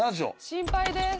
心配です。